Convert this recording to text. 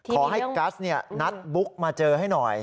ขอให้กัสนัดบุ๊กมาเจอให้หน่อย